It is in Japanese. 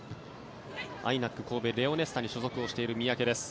ＩＮＡＣ神戸レオネッサに所属をしている三宅です。